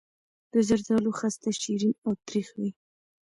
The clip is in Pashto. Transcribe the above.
د زردالو خسته شیرین او تریخ وي.